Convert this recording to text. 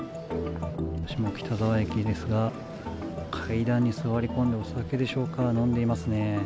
下北沢駅ですが、階段に座り込んで、お酒でしょうか、飲んでいますね。